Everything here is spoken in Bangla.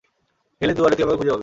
হেল-এর দুয়ারে, তুই আমাকে খুঁজে পাবি।